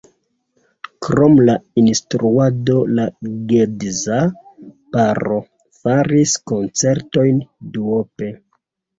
Krom la instruado la geedza paro faris koncertojn duope.